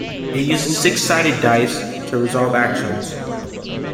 It uses six-sided dice, to resolve actions.